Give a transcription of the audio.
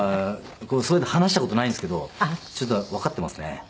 そういうの話した事ないんですけどちょっとわかってますね。